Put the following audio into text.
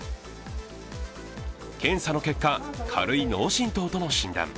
検査の結果、軽い脳震とうとの診断。